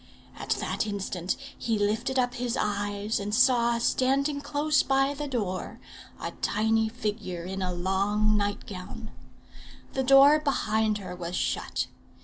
At that instant he lifted up his eyes and saw, standing close by the door, a tiny figure in a long night gown. The door behind her was shut.